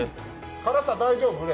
辛さ大丈夫？